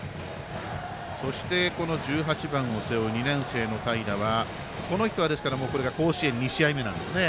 この１８番を背負う２年生の平はこの人は、これが甲子園２試合目。